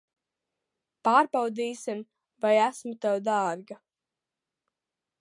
Pārbaudīsim, vai esmu tev dārga.